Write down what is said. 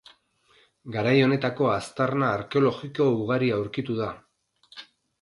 Garai honetako aztarna arkeologiko ugari aurkitu da.